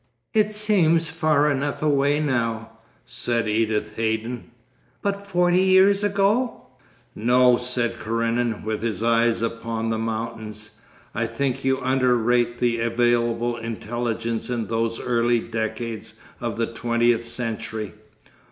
'It seems far enough away now,' said Edith Haydon. 'But forty years ago?' 'No,' said Karenin with his eyes upon the mountains, 'I think you underrate the available intelligence in those early decades of the twentieth century.